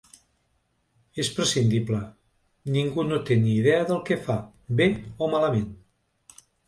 És prescindible: ningú no té ni idea del que fa, bé o malament.